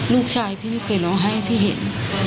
ลูกชายพี่ไม่เคยร้องไห้พี่เห็น